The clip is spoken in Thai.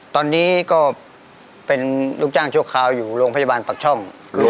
ตอนนี้ก็เป็นลูกจ้างชั่วคราวอยู่โรงพยาบาลปักช่อง